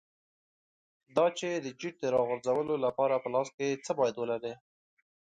دا چې د جیټ د راغورځولو لپاره په لاس کې څه باید ولرې.